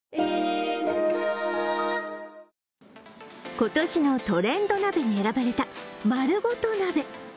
今年のトレンド鍋に選ばれたまるごと鍋。